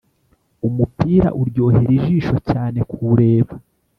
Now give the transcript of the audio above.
umupira uryohera ijisho cyane kuwureba